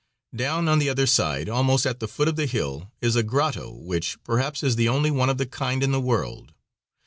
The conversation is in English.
Down on the other side, almost at the foot of the hill, is a grotto which, perhaps, is the only one of the kind in the world.